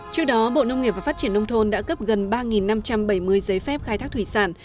trước đó bộ nông nghiệp và phát triển nông thôn đã cấp gần ba năm trăm bảy mươi giấy phép khai thác thủy sản